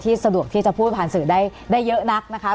สะดวกที่จะพูดผ่านสื่อได้เยอะนักนะคะ